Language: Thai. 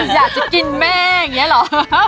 อยากจะกินแม่อย่างนี้เหรอ